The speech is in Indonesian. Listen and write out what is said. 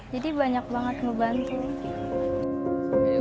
jadi banyak sekali yang membantu